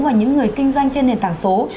và những người kinh doanh trên nền tảng số